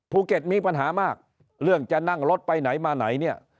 มีปัญหามากเรื่องจะนั่งรถไปไหนมาไหนเนี่ย